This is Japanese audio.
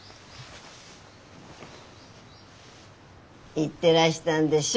行ってらしたんでしょ？